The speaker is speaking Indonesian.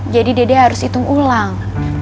jadi dede harus hitung ulang